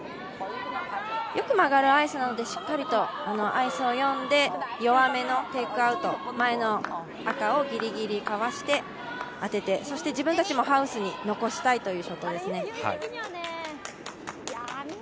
よく曲がるアイスなので、しっかりとアイスを読んで弱めのテイクアウト、前の赤をギリギリかわして当ててそして自分たちもハウスに残したいというショットですね。